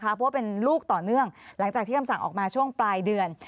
เพราะว่าเป็นลูกต่อเนื่องหลังจากที่คำสั่งออกมาช่วงปลายเดือน